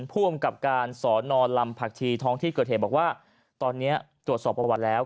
ผู้อำกับการสอนอลำผักชีท้องที่เกิดเหตุบอกว่าตอนนี้ตรวจสอบประวัติแล้ว